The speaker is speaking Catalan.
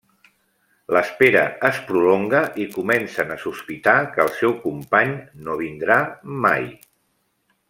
L'espera es prolonga i comencen a sospitar que el seu company no vindrà mai.